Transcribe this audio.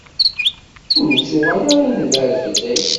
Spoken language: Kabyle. Ur nettuɣal ara ad nebɛed fell-ak.